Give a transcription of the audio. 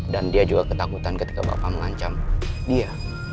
dan dia juga ketakutan ketika bapak melancam dia